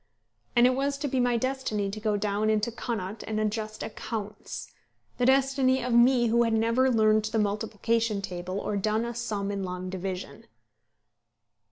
And it was to be my destiny to go down into Connaught and adjust accounts, the destiny of me who had never learned the multiplication table, or done a sum in long division!